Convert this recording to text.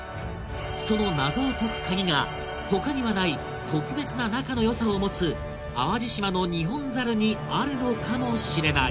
その謎を解くカギが他にはない「特別な仲の良さ」を持つ淡路島のニホンザルにあるのかもしれない